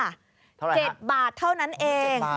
เท่าไหร่ครับ๗บาทเท่านั้นเอง